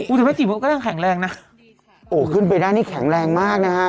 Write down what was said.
หุ้นดูแม่จิ๋มก็ดังแข็งแรงน่ะเฮ้อโอ้ขึ้นไปด้านนี้แข็งแรงมากนะฮะ